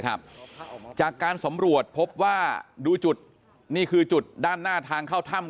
จากการสำรวจพบว่าดูจุดนี่คือจุดด้านหน้าทางเข้าถ้ำ